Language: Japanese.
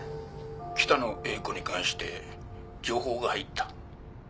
「北野英子に関して情報が入った」